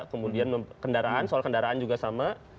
kemudian kendaraan soal kendaraan juga sama